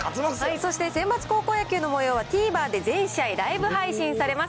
そしてセンバツ高校野球のもようはＴＶｅｒで全試合ライブ配信されます。